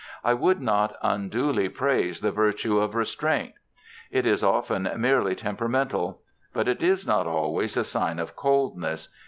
I would not unduly praise the virtue of restraint. It is often merely temperamental. But it is not always a sign of coldness.